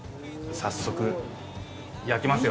早速、焼きますよ。